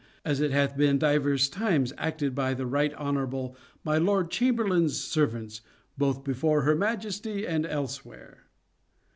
As it hath been divers times acted by the Right Honorable my Lord Chamberlaine's Servants, both before her Majesty and elsewhere.